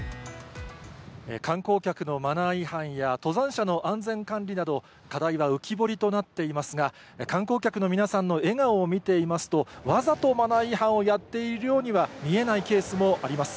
観光客のマナー違反や登山者の安全管理など、課題は浮き彫りとなっていますが、観光客の皆さんの笑顔を見ていますと、わざとマナー違反をやっているようには見えないケースもあります。